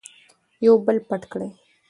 یو بل پټ کړئ.